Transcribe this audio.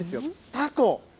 タコ。